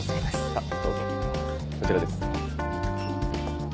さっどうぞこちらです。